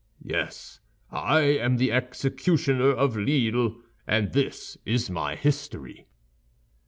Yes, I am the executioner of Lille, and this is my history."